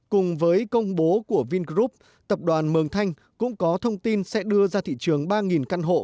cùng với công bố của vingroup tập đoàn mường thanh cũng có thông tin sẽ đưa ra thị trường ba căn hộ